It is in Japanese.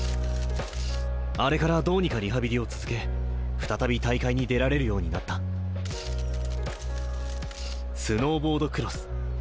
あれからどうにかリハビリを続け再び大会に出られるようになったスノーボードクロス。